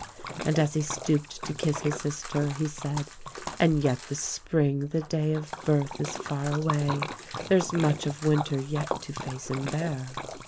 And as he stooped to kiss his sister he said, "And yet the Spring, the day of birth, is far away — there's much of winter yet to face and bear."